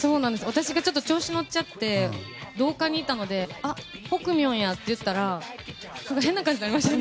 私がちょっと調子乗っちゃって廊下にいたのでほくみょんやって言ったら変な感じになりましたよね。